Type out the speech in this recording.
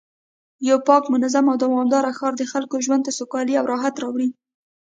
یو پاک، منظم او دوامدار ښار د خلکو ژوند ته سوکالي او راحت راوړي